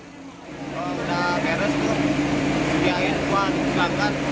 kalau sudah keres sudah diakirkan dikejarkan